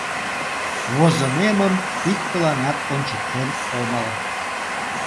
Возымемым иктыланат ончыктен омыл.